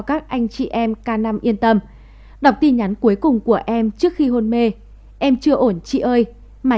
các anh chị em ca năm yên tâm đọc tin nhắn cuối cùng của em trước khi hôn mê em chưa ổn chị ơi mà